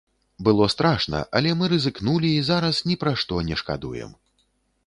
Было страшна, але мы рызыкнулі і зараз ні пра што не шкадуем.